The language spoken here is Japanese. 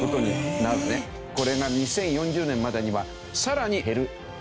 これが２０４０年までにはさらに減るという。